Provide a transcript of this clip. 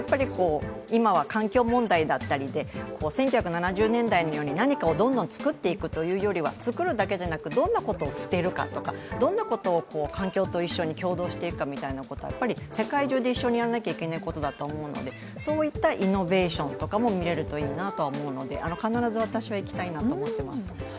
今は環境問題だったりで、１９７０年代のように何かをどんどん作っていくというよりは作るだけじゃなくてどんなことを捨てるかとかどんなことを環境と一緒に協働していくかみたいなことは世界中で一緒にやらないといけないことだと思うのでそういったイノベーションとかも見れるといいなとは思うので必ず私は行きたいなと思っています。